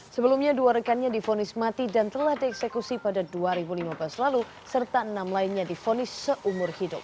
sebelumnya dua rekannya difonis mati dan telah dieksekusi pada dua ribu lima belas lalu serta enam lainnya difonis seumur hidup